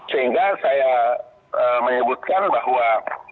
sehingga saya menyebutkan bahwa